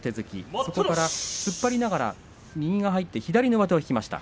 そこから突っ張りながら右が入って左の上手を引きました。